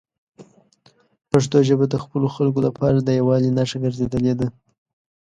پښتو ژبه د خپلو خلکو لپاره د یووالي نښه ګرځېدلې ده.